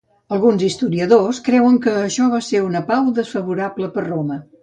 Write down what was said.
Alguns historiadors creuen que això va ser una pau desfavorable per a Roma.